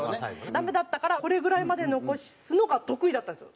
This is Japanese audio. ダメだったからこれぐらいまで残すのが得意だったんですよ。